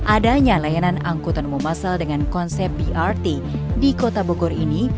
adanya layanan angkutan umum masal dengan konsep brt di kota bogor ini